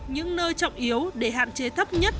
những nơi trọng yếu để hạn chế thấp nhất